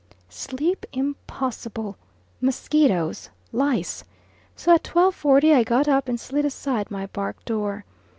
Sleep impossible mosquitoes! lice!! so at 12.40 I got up and slid aside my bark door.